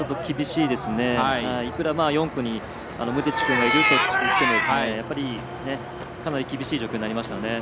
いくら４区にムテチ君がいるといってもかなり厳しい状況になりましたね。